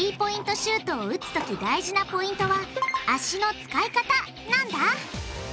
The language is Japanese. シュートを打つとき大事なポイントは「足の使い方」なんだ！